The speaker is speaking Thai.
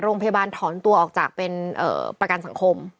โรงพยาบาลถอนตัวออกจากเป็นประกันสังคม